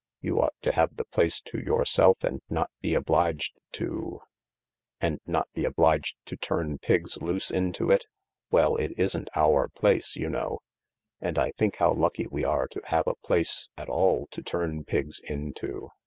You ought to have the place to yourself and not be obliged to " And not be obliged to turn Pigs loose into it ? Well, it isn't our place, you know. And I think how lucky we are to have a place at all to turn Pigs into."